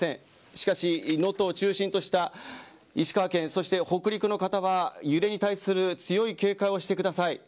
しかし、能登を中心とした石川県そして、北陸の方は揺れに対する強い警戒をしてください。